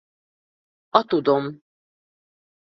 A tudom.